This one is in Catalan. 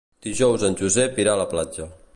Dijous en Josep irà a la platja.